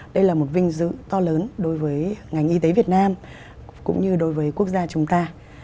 đây là một vinh dự to lớn đối với ngành y tế việt nam cũng như đối với quốc gia chúng ta